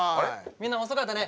みんな遅かったね。